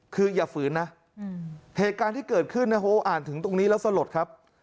คืออย่าฝืนนะเหตุการณ์ที่เกิดขึ้นนะโฮอ่านถึงตรงนี้แล้วสลดครับ